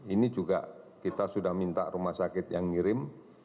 ini juga kita sudah minta rumah sakit yang ngirim